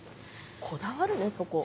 こだわるねそこ。